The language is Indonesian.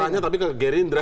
marahnya tapi ke gerindra